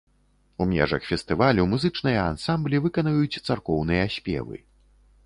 У межах фестывалю музычныя ансамблі выканаюць царкоўныя спевы.